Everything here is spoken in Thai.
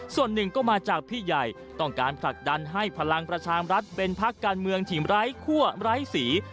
ส่วนหนึ่งก็มาจากพี่ใหญ่ต้องการผลักดันให้พลังประชามรัฐเป็นพักการเมืองที่ไร้คั่วไร้สี